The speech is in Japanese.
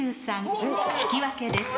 引き分けです。